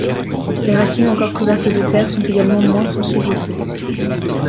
Les racines encore couvertes de terre sont également moins sensibles au feu.